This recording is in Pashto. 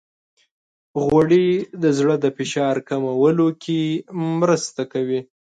غوړې د زړه د فشار کمولو کې مرسته کوي.